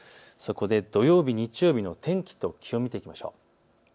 そこで土曜日、日曜日の天気と気温を見ていきましょう。